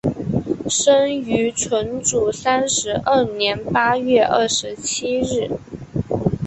生于纯祖三十二年八月二十七日。